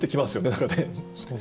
何かね。